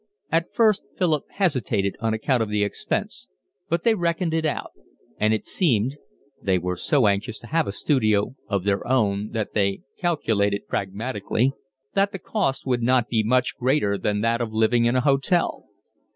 At first Philip hesitated on account of the expense, but they reckoned it out; and it seemed (they were so anxious to have a studio of their own that they calculated pragmatically) that the cost would not be much greater than that of living in a hotel.